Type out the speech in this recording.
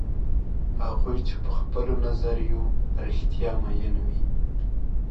هغوی چې په خپلو نظریو رښتیا میین وي.